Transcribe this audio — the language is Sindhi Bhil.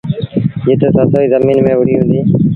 جت سسئيٚ زميݩ ميݩ وُهڙيٚ هُݩديٚ۔